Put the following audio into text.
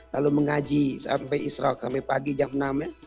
lalu mengaji sampai israq sampai pagi jam enam ya